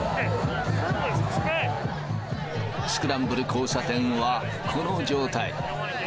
スクランブル交差点はこの状態。